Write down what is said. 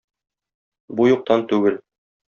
Бу юктан түгел.